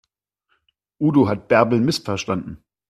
Udo hat Bärbel missverstanden.